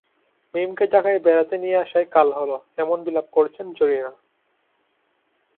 মীমকে ঢাকায় বেড়াতে নিয়ে আসায় কাল হলো, এমন বিলাপ করছেন জরিনা।